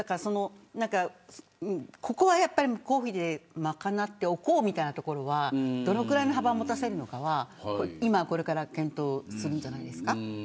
ここはやっぱり公費で賄っておこうみたいなところはどのくらいの幅を持たせるのかは今、これから検討するんじゃないですか。